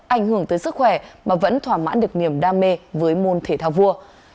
ảnh hưởng tới sức khỏe mà vẫn thỏa mãn được niềm đam mê với môn thể thao vua